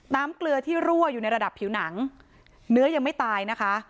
เกลือที่รั่วอยู่ในระดับผิวหนังเนื้อยังไม่ตายนะคะ